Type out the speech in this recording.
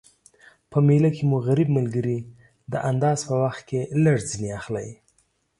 په میله کی مو غریب ملګري د انداز په وخت کي لږ ځیني اخلٸ